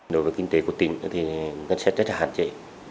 đối với kinh tế của tỉnh thì ngân sách rất là hạn chế